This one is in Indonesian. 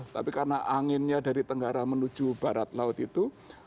tapi karena anginnya dari tenggara menuju barat laut itu